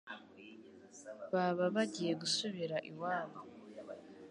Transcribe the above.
baba bagiye gusubira iwabo